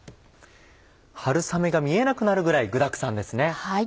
春雨が見えなくなるぐらい具だくさんですね。